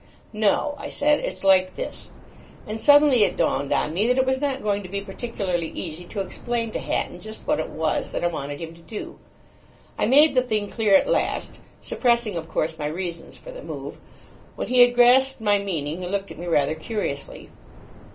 "No," I said; "it's like this." And suddenly it dawned on me that it was not going to be particularly easy to explain to Hatton just what it was that I wanted him to do. I made the thing clear at last, suppressing, of course, my reasons for the move. When he had grasped my meaning, he looked at me rather curiously.